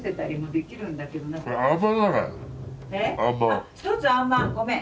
あ１つあんまんごめん。